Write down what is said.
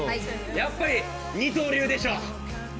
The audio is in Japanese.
やっぱり二刀流でしょ！